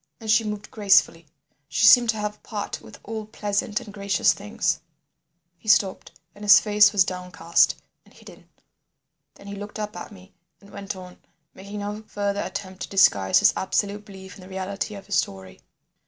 And she moved gracefully, she seemed to have part with all pleasant and gracious things—" He stopped, and his face was downcast and hidden. Then he looked up at me and went on, making no further attempt to disguise his absolute belief in the reality of his story.